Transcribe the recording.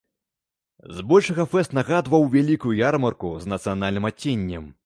З большага фэст нагадваў вялікую ярмарку з нацыянальным адценнем.